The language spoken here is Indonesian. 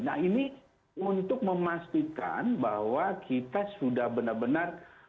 nah ini untuk memastikan bahwa kita sudah benar benar